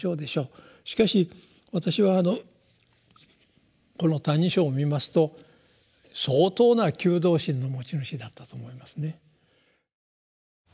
しかし私はこの「歎異抄」を見ますと相当な求道心の持ち主だったと思いますね。